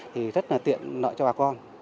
thì rất là tiện nợ cho bà con